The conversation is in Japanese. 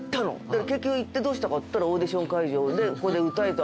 で結局行ってどうしたかっていったらオーディション会場で「ここで歌え」「え！？」